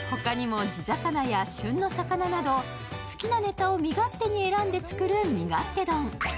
他にも地魚や旬な魚など好きな魚を身勝手に選んで作る味勝手丼。